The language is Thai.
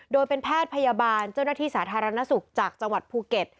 โดยเป็นแพทย์พยาบาลเจ้าหน้าที่สาธารณสุขจากจังหวัดภูเก็ต